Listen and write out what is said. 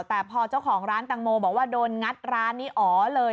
แต่พอเจ้าของร้านตังโมบอกว่าโดนงัดร้านนี้อ๋อเลย